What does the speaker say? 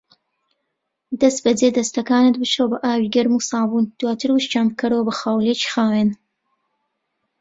دەستبەجی دەستەکانت بشۆ بە ئاوی گەرم و سابوون، دواتر وشکیان بکەرەوە بە خاولیەکی خاوین.